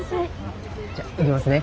じゃあ行きますね。